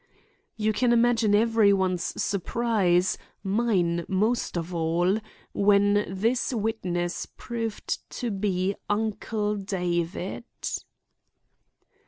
You can imagine every one's surprise, mine most of all, when this witness proved to be Uncle David.